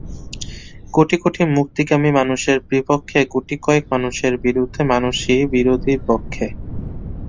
কোটি কোটি মুক্তিকামী মানুষের বিপক্ষে গুটি কয়েক মানুষের বিরুদ্ধে মানুষই বিরোধী পক্ষে।